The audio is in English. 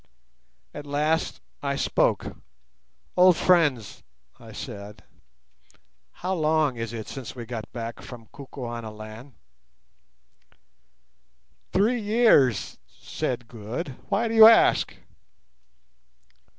At last I spoke. "Old friends," I said, "how long is it since we got back from Kukuanaland?" "Three years," said Good. "Why do you ask?"